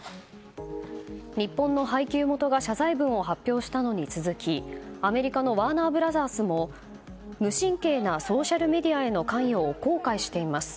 日本の配給元が謝罪文を発表したのに続きアメリカのワーナー・ブラザースも無神経なソーシャルメディアへの関与を後悔しています。